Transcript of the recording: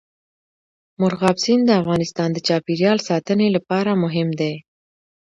مورغاب سیند د افغانستان د چاپیریال ساتنې لپاره مهم دی.